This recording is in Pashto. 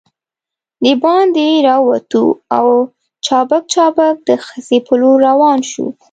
دباندې راووتو او چابک چابک د خزې په لور روان شوو.